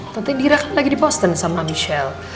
tante indira kan lagi di boston sama michelle